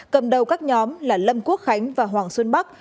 cầm đầu các nhóm là lâm quốc khánh và hoàng xuân bắc